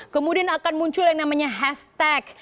kemudian akan muncul yang namanya hashtag